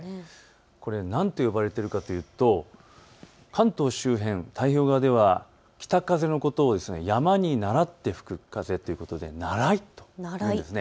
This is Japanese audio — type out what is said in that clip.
これがなんといわれているかというと関東周辺、太平洋側では北風のことを山にならって吹く風ということでナライというんです。